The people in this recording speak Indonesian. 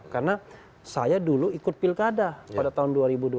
karena saya dulu ikut pilkada pada tahun dua ribu dua belas